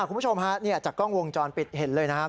คุณผู้ชมฮะจากกล้องวงจรปิดเห็นเลยนะครับ